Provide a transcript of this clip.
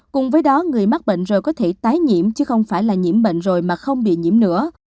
cùng với đó người mắc bệnh rồi có thể tái nhiễm chứ không phải là nhiễm bệnh rồi mà không bị nhiễm nữa